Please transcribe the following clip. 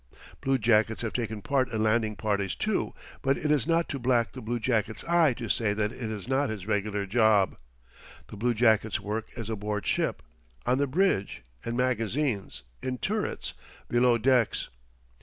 Bluejackets have taken part in landing parties, too, but it is not to black the bluejacket's eye to say that it is not his regular job. The bluejacket's work is aboard ship on the bridge, in magazines, in turrets, below decks.